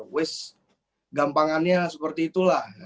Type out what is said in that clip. wess gampangannya seperti itulah